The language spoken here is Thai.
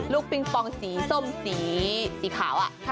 ปิงปองสีส้มสีขาว